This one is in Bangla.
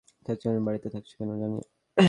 তুমি আমার বাড়িতে থাকছো, কেন জানো।